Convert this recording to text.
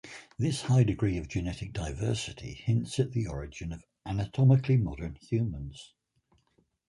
This high degree of genetic diversity hints at the origin of anatomically modern humans.